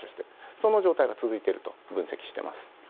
その状態が続いていると分析しています。